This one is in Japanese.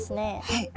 はい。